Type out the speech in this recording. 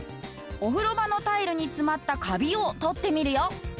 お風呂場のタイルに詰まったカビを取ってみるよ。